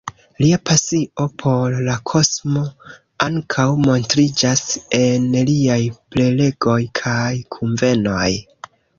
Lia pasio por la kosmo ankaŭ montriĝas en liaj prelegoj kaj kunvenoj.